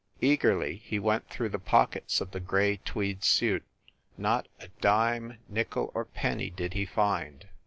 Eagerly he went through the pockets of the gray tweed suit. Not a dime, nickel or penny did he find.